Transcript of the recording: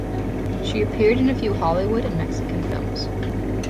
She appeared in a few Hollywood and Mexican films.